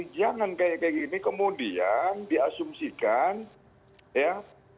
jangan kayak kayak gini kemudian diasumsikan ya